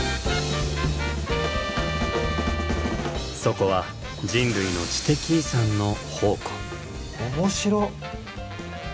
そこは人類の知的遺産の宝庫。